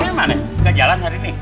ibu yang mana gak jalan hari ini